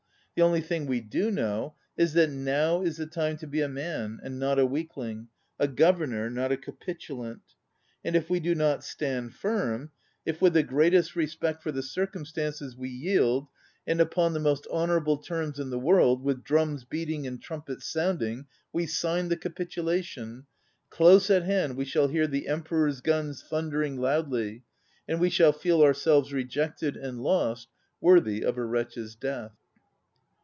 The only thing we do know is that now is the time to be a man, and not a weakling, a Gk)vernor, not a capitulant. And if we do not stand firm, if with the greatest respect 61 ON READING for the circumstances we yield, and upon the most honorable terms in the world, with djums beating and trumpets sounding, we sign the capit ulation, ... close at hand we shall hear the Emperor's guns thimdering loudly, and we shall feel ourselves rejected and lost, worthy of a wretch's death.